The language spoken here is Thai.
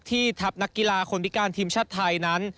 ทัพนักกีฬาคนพิการทีมชาติไทยนั้น